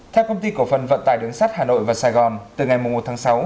theo công ty cổ phần vận tải đường sắt hà nội và sài gòn từ ngày một tháng sáu